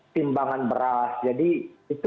timbangan beras jadi itu